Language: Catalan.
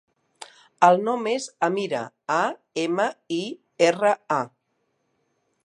El nom és Amira: a, ema, i, erra, a.